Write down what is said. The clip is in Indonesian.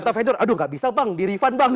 kata fedor aduh nggak bisa bang di refund bang